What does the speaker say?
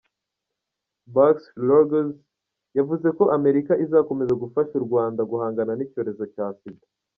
Barks-Ruggles, yavuze ko Amerika izakomeza gufasha u Rwanda guhangana n’icyorezo cya Sida.